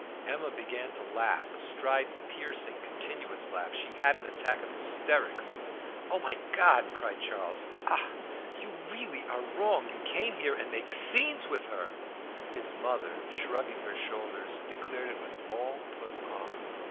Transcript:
Emma began to laugh, a strident, piercing, continuous laugh; she had an attack of hysterics. "Oh, my God!" cried Charles. "Ah! you really are wrong! You come here and make scenes with her!" His mother, shrugging her shoulders, declared it was "all put on."